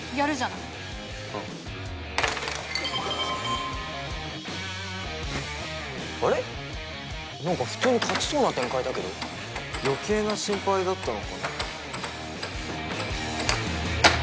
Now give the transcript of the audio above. なんか普通に勝ちそうな展開だけど余計な心配だったのかな？